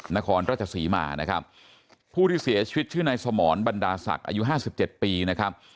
นครราชศรีมานะครับผู้ที่เสียชีวิตชื่อนายสมรบรรดาศักดิ์อายุห้าสิบเจ็ดปีนะครับ